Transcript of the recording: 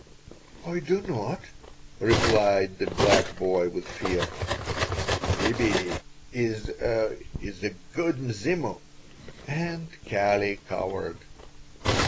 "I do not," replied the black boy with fear. "Bibi is is a good Mzimu." And Kali cowered.